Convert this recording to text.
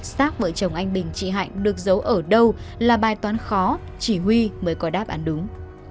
xác vợ chồng anh bình chị hạnh được giấu ở đâu là bài toán khó chỉ huy mới có đáp án đúng